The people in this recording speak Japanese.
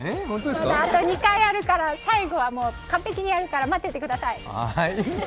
あと２回あるから、最後は完璧にやるから待っててください。